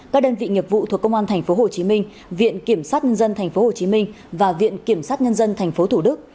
các đơn vị nghiệp vụ thuộc công an tp hồ chí minh viện kiểm sát nhân dân tp hồ chí minh và viện kiểm sát nhân dân tp thủ đức